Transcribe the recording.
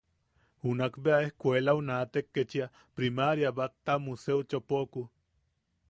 Junak bea escuelau naatek ketchia priMaría bat ta museo chopoku.